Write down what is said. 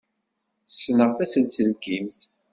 Ssneɣ tasenselkimt.